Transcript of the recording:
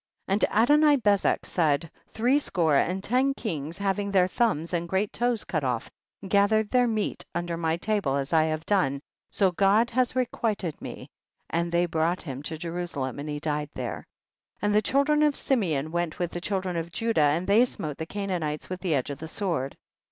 6. And Adoni bezek said, three score and ten kings having their thumbs and great toes cut off, ga thered their meat under my table, as I have done, so God has requited me, and they brought him to Jeru salem and he died there. 7. And the children of Simeon went with the children of Judah, and they smote the Canaanites with the edge of the sword.